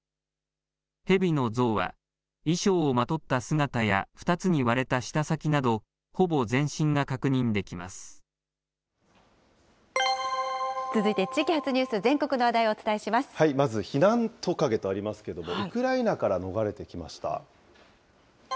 ヘビの像は、衣装をまとった姿や２つに割れた舌先など、ほぼ全身続いて地域発ニュース、全国まず避難トカゲとありますけど、ウクライナから逃れてきました。